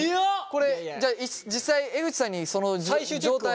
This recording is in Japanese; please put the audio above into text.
これじゃあ実際江口さんにその状態